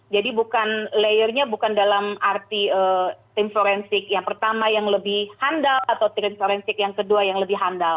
bukan layernya bukan dalam arti tim forensik yang pertama yang lebih handal atau tim forensik yang kedua yang lebih handal